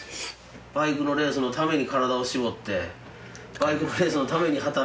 バイクのレースのために体を絞ってバイクのレースのために働いてお金ためて。